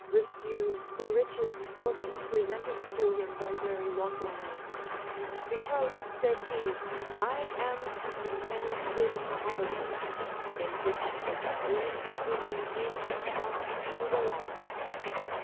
] refused the riches fortune presented to him by very lawful means; because, said he, I am to contend with poverty, in which extreme he maintained himself to the last.